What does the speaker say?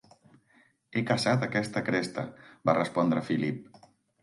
He caçat a aquesta cresta, va respondre Philip.